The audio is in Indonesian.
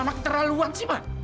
mana keterlaluan sih ma